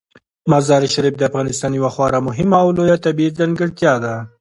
مزارشریف د افغانستان یوه خورا مهمه او لویه طبیعي ځانګړتیا ده.